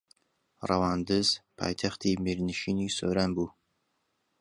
ڕەواندز پایتەختی میرنشینی سۆران بوو